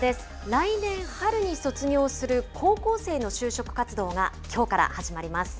来年春に卒業する高校生の就職活動が、きょうから始まります。